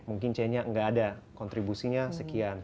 mungkin c nya nggak ada kontribusinya sekian